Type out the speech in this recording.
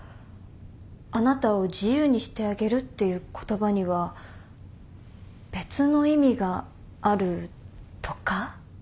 「あなたを自由にしてあげる」っていう言葉には別の意味があるとか？